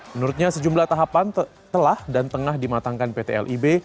menurutnya sejumlah tahapan telah dan tengah dimatangkan pt lib